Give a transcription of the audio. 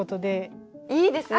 いいですね。